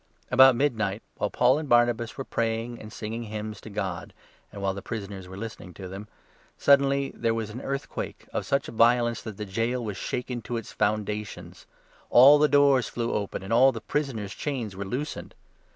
About midnight, while 25 Paul and Silas were praying and singing hymns to God, and while the prisoners were listening to them, suddenly there was 26 an earthquake of such violence that the Gaol was shaken to its foundations ; all the doors flew open, and all the prisoners' chains were loosened.